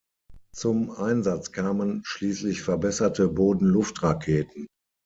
Zum Einsatz kamen schließlich verbesserte Boden-Luft-Raketen.